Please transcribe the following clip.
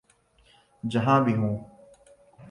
جہاں بھی ہوں۔